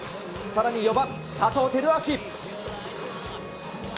さらに４番佐藤輝明。